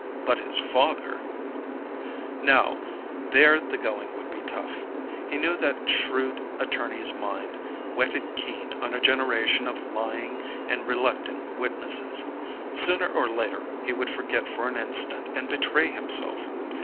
But his father Now, there the going would be tough. He knew that shrewd attorney's mind, whetted keen on a generation of lying and reluctant witnesses. Sooner or later, he would forget for an instant and betray himself.